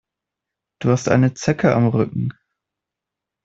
Du hast eine Zecke am Rücken.